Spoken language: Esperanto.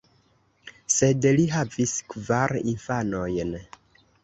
Sed li havis kvar infanojn.